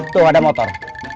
tuh ada motor